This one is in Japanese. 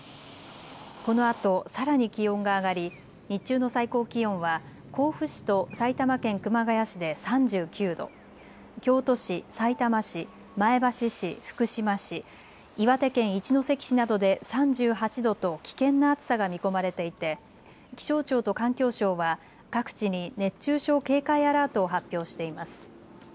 このあとさらに気温が上がり日中の最高気温は甲府市と埼玉県熊谷市で３９度、京都市、さいたま市、前橋市、福島市、岩手県一関市などで３８度と危険な暑さが見込まれていて気象庁と環境省は各地に熱中症警戒アラートを発表しています。